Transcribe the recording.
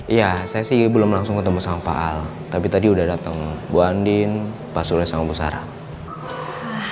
iya saya sih belum langsung ketemu sama pak al tapi tadi udah datang bu andin pak surya sama bu sarah